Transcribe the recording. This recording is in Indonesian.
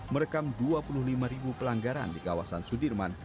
merekam dua puluh lima ribu pelanggaran di kawasan sudirman